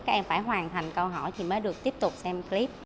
các em phải hoàn thành câu hỏi thì mới được tiếp tục xem clip